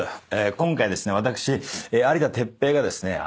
今回私有田哲平がですね